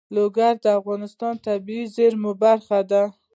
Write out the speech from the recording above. لوگر د افغانستان د طبیعي زیرمو برخه ده.